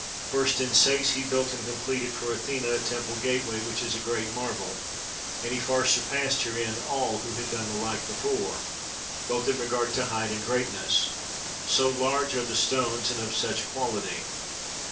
First in Sais he built and completed for Athene a temple gateway which is a great marvel, and he far surpassed herein all who had done the like before, both in regard to height and greatness, so large are the stones and of such quality.